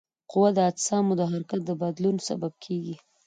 قوه د اجسامو د حرکت د بدلون سبب کیږي.